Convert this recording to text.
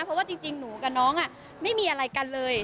เพราะว่าจริงหนูกับน้องไม่มีอะไรกันเลย